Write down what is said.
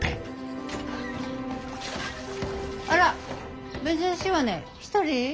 あら珍しいわね１人？